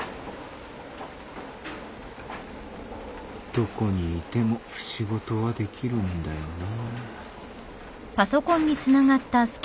どこにいても仕事はできるんだよな。